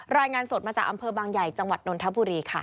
รายงานสดมาจากอำเภอบางใหญ่จังหวัดนนทบุรีค่ะ